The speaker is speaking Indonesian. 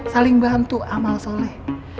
saling bantu amal soleh